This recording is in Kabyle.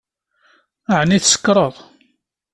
Ɛni tsekṛeḍ?